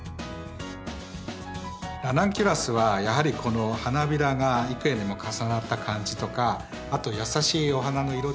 ラナンキュラスはやはりこの花びらが幾重にも重なった感じとかあとやさしいお花の色ですね